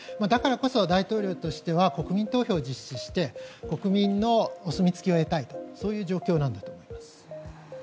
だからこそ大統領としては国民投票を実施して国民のお墨付きを得たい状況だと思います。